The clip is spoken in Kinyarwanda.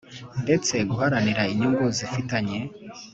ndetse guharanira inyungu zifitanye